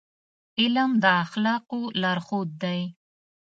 علم د اخلاقو لارښود دی.